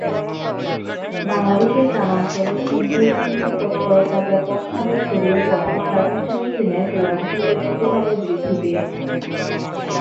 বাংলাদেশের গ্রামাঞ্চলে এনজিওসমূহের তৎপরতা ব্যাপকভাবে ছড়িয়ে পড়ায় প্রাতিষ্ঠানিক ঋণের পরিমাণ উল্লেখযোগ্যভাবে বৃদ্ধি পেয়েছে।